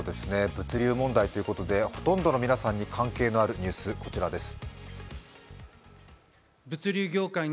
物流問題ということで、ほとんどの皆さんに関係のあるニュースこちらです。